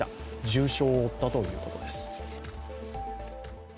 重傷を負ったということです。